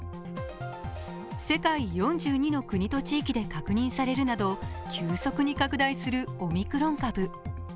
世界４２の国と地域で確認されるなど急速に拡大するオミクロン株。